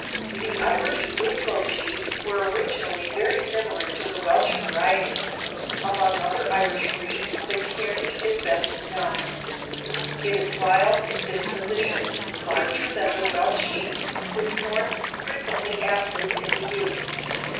The Irish Wicklow sheep were originally very similar to the Welsh variety. Among other Irish breeds the Kerry is best known. It is wild in disposition, larger than the Welsh sheep, with the horns frequently absent in the ewes.